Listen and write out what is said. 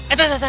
eteh teh teh